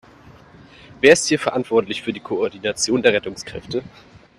Wer ist hier verantwortlich für die Koordination der Rettungskräfte?